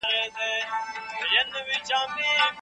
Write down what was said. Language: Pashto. اقتصادي ثبات د کورنیو ستونزي حل کړې وې.